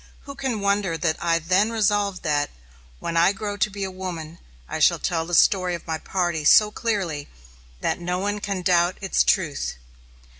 Who can wonder that I then resolved that, "When I grow to be a woman I shall tell the story of my party so clearly that no one can doubt its truth"?